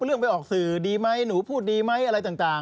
เรื่องไปออกสื่อดีไหมหนูพูดดีไหมอะไรต่าง